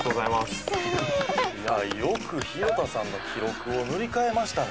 いやよく弘田さんの記録を塗り替えましたね。